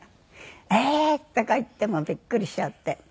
「ええー？」とか言ってびっくりしちゃって。